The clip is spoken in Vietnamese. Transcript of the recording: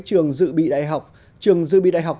trường dự bị đại học trường dự bị đại học